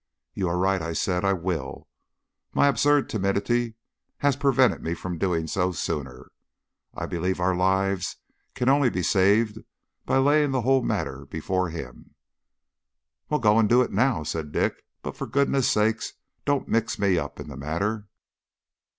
"You are right," I said; "I will. My absurd timidity has prevented my doing so sooner. I believe our lives can only be saved by laying the whole matter before him." "Well, go and do it now," said Dick; "but for goodness' sake don't mix me up in the matter."